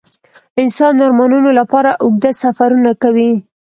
انسانان د ارمانونو لپاره اوږده سفرونه کوي.